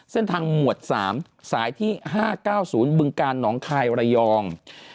เส้นทางหมวด๓สายที่๕๙๐บึงกานหนองคายวรายอง